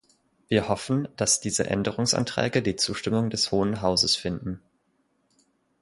Wir hoffen, dass diese Änderungsanträge die Zustimmung des Hohen Hauses finden.